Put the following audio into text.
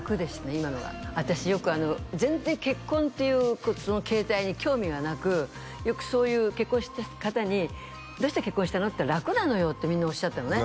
今の方が私よく全然結婚っていうその形態に興味がなくよくそういう結婚した方に「どうして結婚したの？」って「楽なのよ」ってみんなおっしゃったのね